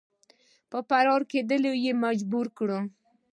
په فرار کېدلو یې مجبور کړ.